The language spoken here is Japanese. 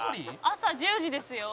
「朝１０時ですよ」